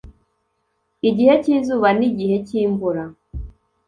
igihe cy'izuba n'igihe cy'imvura